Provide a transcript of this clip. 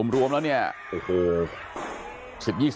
รวมแล้วเนี่ย